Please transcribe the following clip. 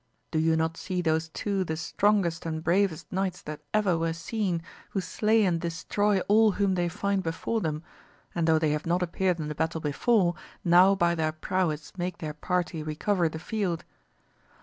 Do you not see those two the strongest and bravest knights that ever were seen, who slay and destroy all whom they find before them ; and though they have not appeared in the battle before, now by their prowess make their party recover the field.